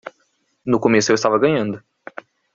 No começo eu estava ganhando.